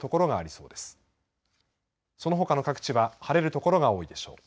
そのほかの各地は晴れる所が多いでしょう。